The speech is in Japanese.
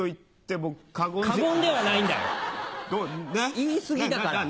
言い過ぎだから。